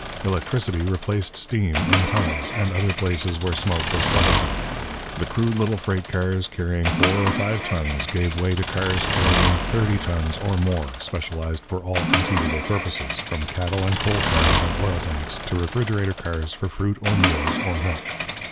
Electricity replaced steam in tunnels and other places where smoke was troublesome. The crude little freight cars, carrying four or five tons, gave way to cars carrying thirty tons or more, specialized for all conceivable purposes, from cattle and coal cars and oil tanks to refrigerator cars for fruit or meats or milk.